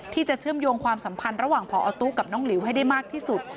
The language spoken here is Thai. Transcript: เชื่อมโยงความสัมพันธ์ระหว่างพอตู้กับน้องหลิวให้ได้มากที่สุด